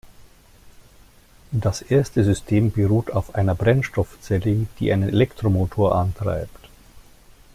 Das erste System beruht auf einer Brennstoffzelle, die einen Elektromotor antreibt.